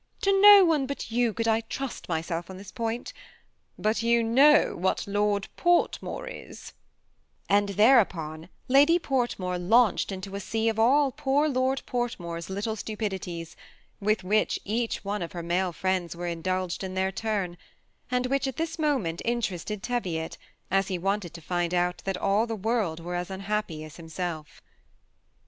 To no one but you could I trust myself . on this point ;* but you know what Lord Portmore is ;and' thereupon Lady Poitmore launched into a sea of ail poor Lord Portmore's little stupidities, with which every one of her male friends were indulged in their turn, and which at this moment interested Teviot, as he wanted to find out that all the world were as unhappy as himself.